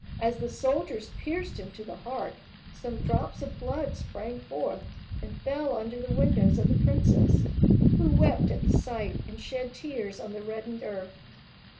As the soldiers pierced him to the heart, some drops of blood sprang forth, and fell under the windows of the princess, who wept at the sight and shed tears on the reddened earth.